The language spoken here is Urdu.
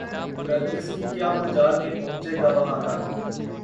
کرگس کی کیا مجال کہ پہنچے گا وہاں تک